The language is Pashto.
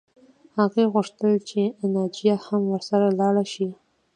هغې غوښتل چې ناجیه هم ورسره لاړه شي